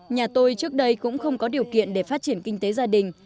nhà tôi trước đây cũng không có điều kiện để phát triển kinh tế gia đình